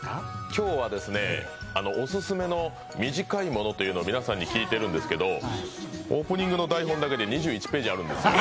今日はオススメの短いものを皆さんに聞いているんですけどオープニングの台本だけで２１ページあるんですよ。